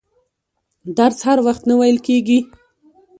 درس هر وخت نه ویل کیږي.